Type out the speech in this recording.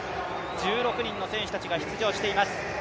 １６人の選手たちが出場していきます。